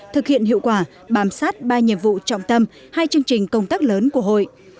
thực hiện hiệu quả bám sát ba nhiệm vụ trọng tâm hai chương trình công tác lớn của hội